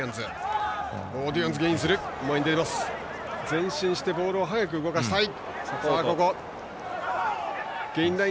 前進してボールを速く動かしたい。